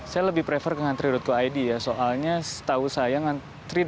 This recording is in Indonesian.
saya lebih prefer ke ngantri co id ya soalnya setahu saya ngantri